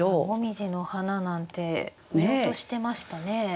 紅葉の花なんて見落としてましたね。